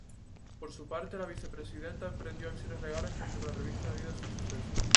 Por su parte la vicepresidenta emprendió acciones legales contra la revista debido al suceso.